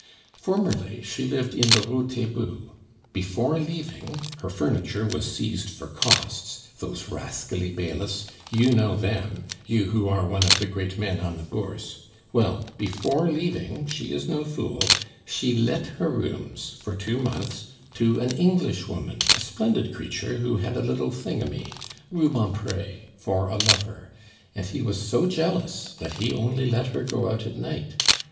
"Formerly she lived in the Rue Taitbout. Before leaving (her furniture was seized for costs those rascally bailiffs You know them, you who are one of the great men on the Bourse) well, before leaving, she is no fool, she let her rooms for two months to an Englishwoman, a splendid creature who had a little thingummy Rubempre for a lover, and he was so jealous that he only let her go out at night.